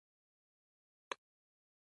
هغه د ځلانده آرمان پر مهال د مینې خبرې وکړې.